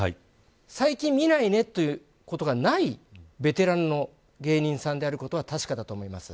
最近見ないねということがないベテランの芸人さんであることは確かだと思います。